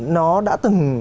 nó đã từng